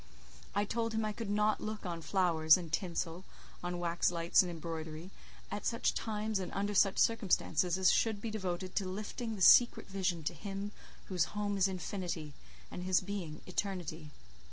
I told him I could not look on flowers and tinsel, on wax lights and embroidery, at such times and under such circumstances as should be devoted to lifting the secret vision to Him whose home is Infinity, and His being—Eternity.